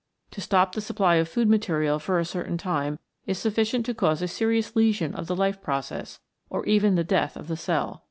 To stop the supply of food material for a certain time is sufficient to cause a serious lesion of the life process or even the death of the cell.